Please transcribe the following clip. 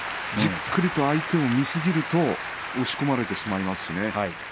じっくりと相手を見すぎると押し込まれてしまいますしね。